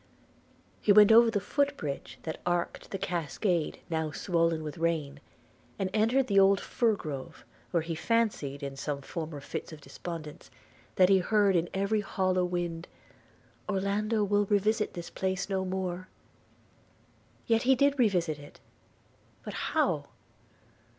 He went over the foot bridge that arched the cascade now swollen with the rain, and entered the old fir grove, where he fancied, in some former fits of despondence, that he heard, in every hollow wind, 'Orlando will revisit this place no more!' Yet he did revisit it; but how?